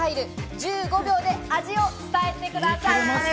１５秒で味を伝えてください。